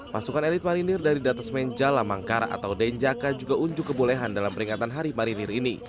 pasukan elit marinir dari datas menjala mangkara atau denjaka juga unjuk kebolehan dalam peringatan hari marinir ini